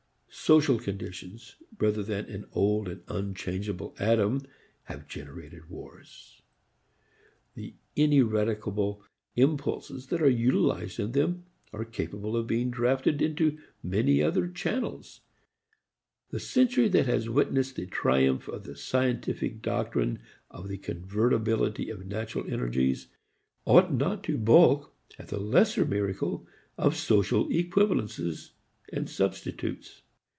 Social conditions rather than an old and unchangeable Adam have generated wars; the ineradicable impulses that are utilized in them are capable of being drafted into many other channels. The century that has witnessed the triumph of the scientific doctrine of the convertibility of natural energies ought not to balk at the lesser miracle of social equivalences and substitutes.